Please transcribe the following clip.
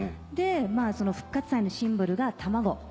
でその復活祭のシンボルが卵。